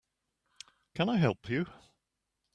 Can I help you?